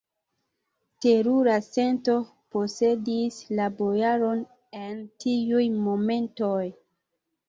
Terura sento posedis la bojaron en tiuj momentoj!